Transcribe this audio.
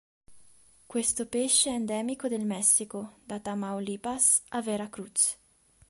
Questo pesce è endemico del Messico, da Tamaulipas a Veracruz.